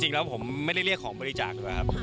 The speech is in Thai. ทริกแล้วผมไม่ได้เรียกของบริจาคเลยครับ